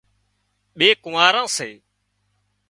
ٻي ڪونئاران سي